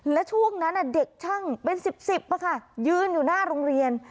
และช่วงนั้นเด็กช่างเป็น๑๐๑๐ยืนอยู่หน้าโรงเรียน